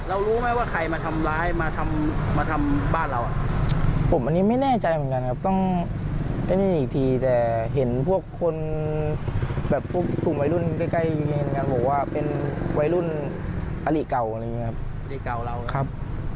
โอ้โหนี่เป็นเหตุอุกอ่านจริงนะครับคุณผู้ชม